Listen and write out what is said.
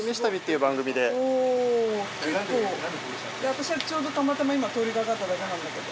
私はちょうどたまたま今通りかかっただけなんだけど。